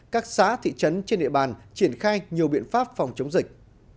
các xã thị trấn trên địa bàn triển khai nhiều biện pháp phòng chống dịch